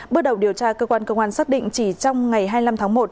bước đầu điều tra cơ quan công an xác định chỉ trong ngày hai mươi năm tháng một